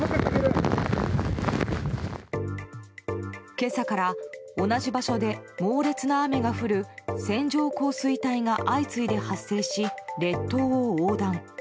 今朝から、同じ場所で猛烈な雨が降る線状降水帯が相次いで発生し列島を横断。